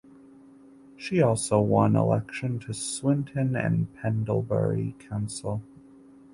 She also won election to Swinton and Pendlebury council.